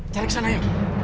cari kesana yuk